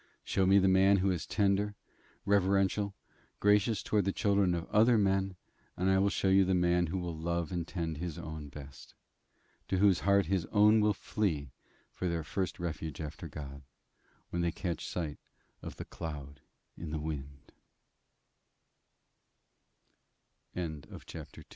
Show me the man who is tender, reverential, gracious towards the children of other men, and I will show you the man who will love and tend his own best, to whose heart his own will flee for their first refuge after God, when they catch sight of the cloud in the wind. CHAPTER III. THE